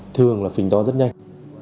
thường là phình to rất nhanh